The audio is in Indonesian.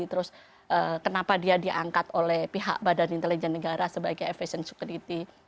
terus kenapa dia diangkat oleh pihak badan intelijen negara sebagai avation security